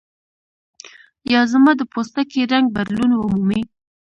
یا زما د پوستکي رنګ بدلون ومومي.